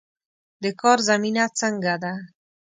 د کار زمینه څنګه ده؟